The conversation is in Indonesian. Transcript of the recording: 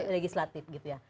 legislatif gitu ya